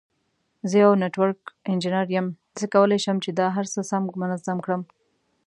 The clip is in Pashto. زه یو نټورک انجینیر یم، زه کولای شم چې دا هر څه سم منظم کړم.